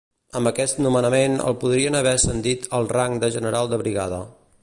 Amb aquest nomenament, el podrien haver ascendit al rang de general de brigada.